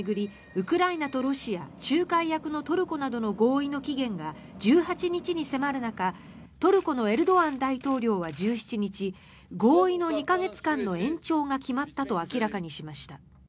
ウクライナとロシア仲介役のトルコなどの合意の期限が１８日に迫る中トルコのエルドアン大統領は１８日合意の２か月間の延長が決まったと明らかにしました。